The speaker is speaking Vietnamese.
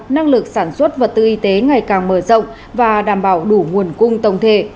năng lực sản xuất vật tư y tế ngày càng mở rộng và đảm bảo đủ nguồn cung tổng thể